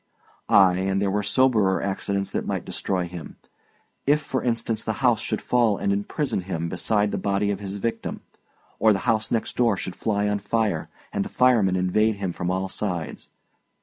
Ay, and there were soberer accidents that might destroy him; if, for instance, the house should fall and imprison him beside the body of his victim, or the house next door should fly on fire, and the firemen invade him from all sides.